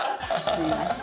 すいません。